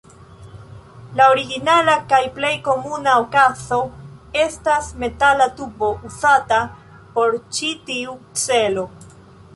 La originala kaj plej komuna okazo estas metala tubo uzata por ĉi tiu celo.